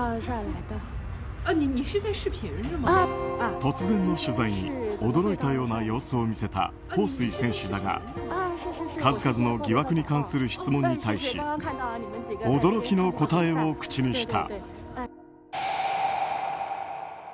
突然の取材に驚いたような様子を見せたホウ・スイ選手だが数々の疑惑に関する質問に対し驚きの答えを口にした。